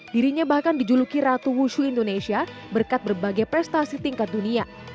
dirinya bahkan dijuluki ratu wushu indonesia berkat berbagai prestasi tingkat dunia